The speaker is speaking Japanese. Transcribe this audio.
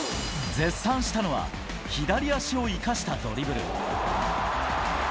絶賛したのは、左足を生かしたドリブル。